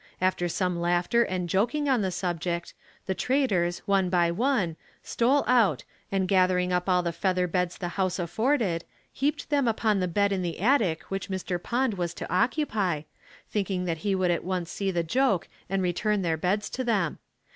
After some laughter and joking on the subject, the traders, one by one, stole out and gathering up all the feather beds the house afforded, heaped them upon the bed in the attic which Mr. Pond was to occupy, thinking that he would at once see the joke and return their beds to them.